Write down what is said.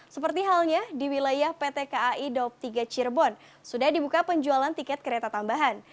seperti halnya di wilayah pt kai daup tiga cirebon sudah dibuka penjualan tiket kereta tambahan